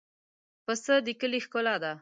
پسه د کلي ښکلا ده.